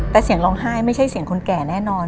แต่เสียงร้องไห้ไม่ใช่เสียงคนแก่แน่นอน